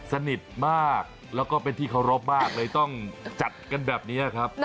สนิทมากแล้วก็เป็นที่เคารพมากเลยต้องจัดกันแบบนี้ครับ